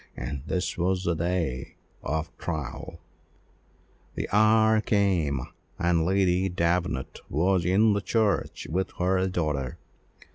And this was the day of trial The hour came, and Lady Davenant was in the church with her daughter.